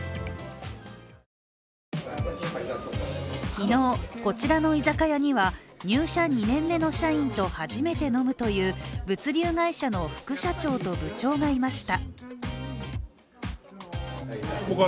昨日、こちらの居酒屋には入社２年目の社員と初めて飲むという物流会社の副社長と部長がいました。